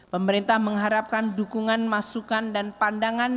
pemerintah mengharapkan dukungan masukan dan pandangan